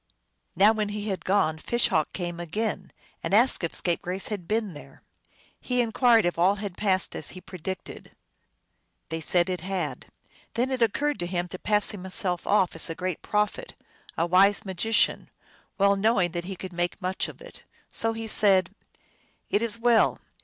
Now when he had gone Fish Hawk came again, and asked if Scapegrace had been there. He inquired if all had passed as he predicted. They said it had. Then it occurred to him to pass himself off for a great prophet, a wise magician, well knowing that he could make much of it. So he said, " It is well.